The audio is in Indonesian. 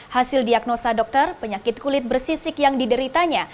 hasil diagnosa dokter penyakit kulit bersisik yang dideritanya